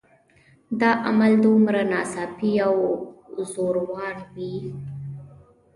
دا عمل دومره ناڅاپي او زوراور وي